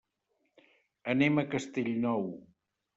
Anem a Castellnou.